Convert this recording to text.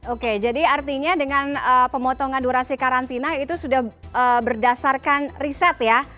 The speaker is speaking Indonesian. oke jadi artinya dengan pemotongan durasi karantina itu sudah berdasarkan riset ya